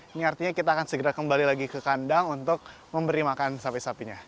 ini artinya kita akan segera kembali lagi ke kandang untuk memberi makan sapi sapinya